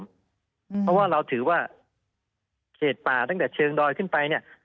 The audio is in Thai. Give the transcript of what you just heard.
เพราะว่าเราถือว่าเขตป่าตั้งแต่เชิงดอยขึ้นไปเนี่ย